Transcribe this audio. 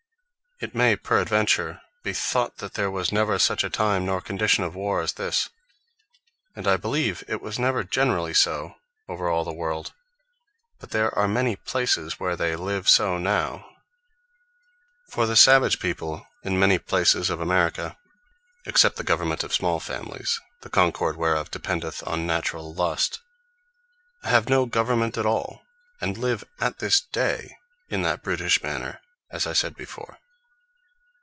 It may peradventure be thought, there was never such a time, nor condition of warre as this; and I believe it was never generally so, over all the world: but there are many places, where they live so now. For the savage people in many places of America, except the government of small Families, the concord whereof dependeth on naturall lust, have no government at all; and live at this day in that brutish manner, as I said before.